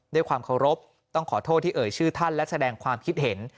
ด้วยความเคารพต้องขอโทษที่เอ่ยชื่อท่านและแสดงความคิดเห็น